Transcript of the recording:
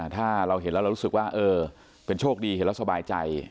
ถ้าเราเห็นแล้วเรารู้สึกว่าเออเป็นโชคดีเห็นแล้วสบายใจ